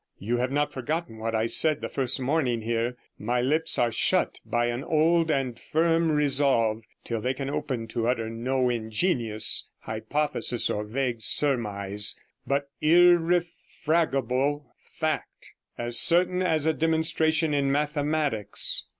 You have not forgotten what I said the first morning here; my lips are shut by an old and firm resolve till they can open to utter no ingenious hypothesis or vague surmise, but irrefragable fact, as certain as a demonstration in mathematics.